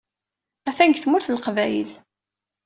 Atan deg Tmurt n Leqbayel.